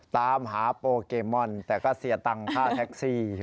ตามหาโปเกมอนแต่ก็เสียตังค่าแท็กซี่